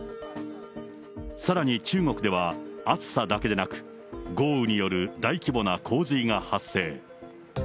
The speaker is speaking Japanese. さらに中国では、暑さだけでなく、豪雨による大規模な洪水が発生。